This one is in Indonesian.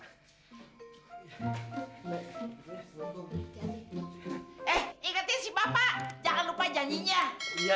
eh ingetin sih bapak jangan lupa janjinya